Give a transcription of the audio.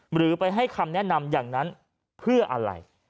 หรือไปให้คำแนะนำอย่างนั้นเพื่ออะไร